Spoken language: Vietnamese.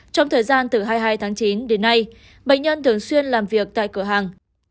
trong thời gian từ hai mươi hai tháng chín đến nay bệnh nhân thường xuyên làm việc tại cửa hàng